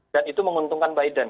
dan itu menguntungkan biden